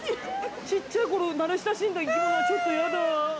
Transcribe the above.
小っちゃい頃慣れ親しんだ生き物はちょっと嫌だ。